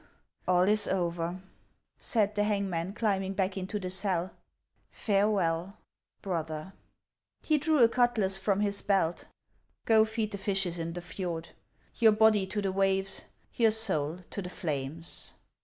" All is over," said the hangman, climbing back into the cell. " Farewell, brother !" He drew a cutlass from his belt. " Go feed the fishes in the fjord. Your body to the waves ; your soul to the flames